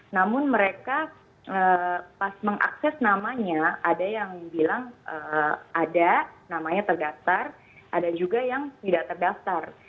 namun mereka pas mengakses namanya ada yang bilang ada namanya terdaftar ada juga yang tidak terdaftar